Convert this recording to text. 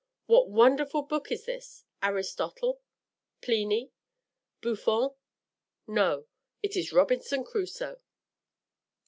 What wonderful book is this? Aristotle? Pliny? Buffon? No; it is Robinson Crusoe."